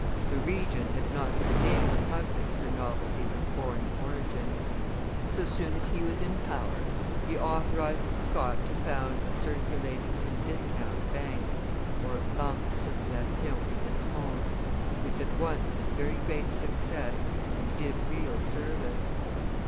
The Regent had not the same repugnance for novelties of foreign origin; so soon as he was in power, he authorized the Scot to found a circulating and discount bank (banque de circulation et d'escompte), which at once had very great success, and did real service.